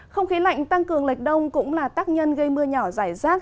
không khí lạnh tăng cường lệch đông cũng là tác nhân gây mưa nhỏ rải rác